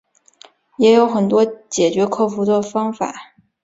也有很多解决克服的方法